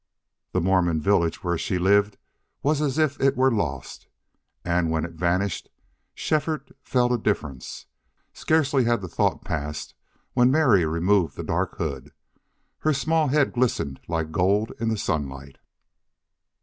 The Mormon village where she lived was as if it were lost, and when it vanished Shefford felt a difference. Scarcely had the thought passed when Mary removed the dark hood. Her small head glistened like gold in the sunlight.